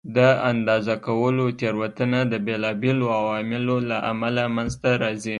د اندازه کولو تېروتنه د بېلابېلو عواملو له امله منځته راځي.